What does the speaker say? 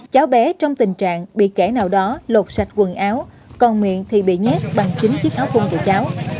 cháu bé trong tình trạng bị kẻ nào đó lột sạch quần áo còn miệng thì bị nhét bằng chính chiếc áo cung của cháu